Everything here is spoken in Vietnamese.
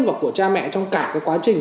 và của cha mẹ trong cả cái quá trình